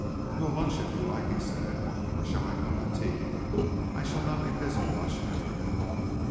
"We'll lunch, if you like," he said. "Or shall I come to tea? I shall not be busy much after noon."